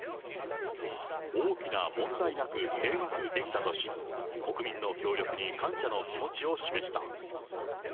大きな問題なく閉幕できたとし、国民の協力に感謝の気持ちを示した。